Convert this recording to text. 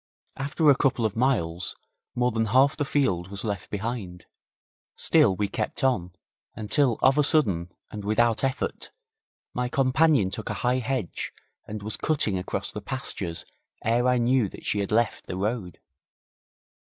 After a couple of miles more than half the field was left behind, still we kept on, until of a sudden, and without effort, my companion took a high hedge and was cutting across the pastures ere I knew that she had left the road.